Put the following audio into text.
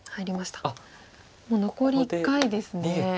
もう残り１回ですね。